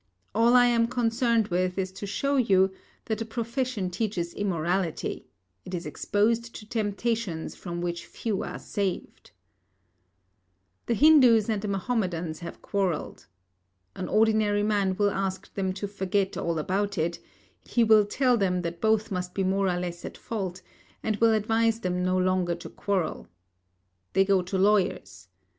All I am concerned with is to show you that the profession teaches immorality; it is exposed to temptations from which few are saved. The Hindus and the Mahomedans have quarrelled. An ordinary man will ask them to forget all about it, he will tell them that both must be more or less at fault, and will advise them no longer to quarrel. They go to lawyers.